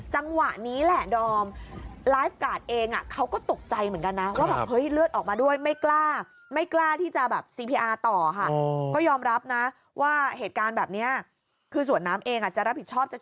จังหวะนี้แหละดอม